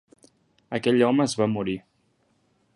Aquell home es va morir.